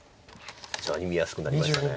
見やすくなりましたね。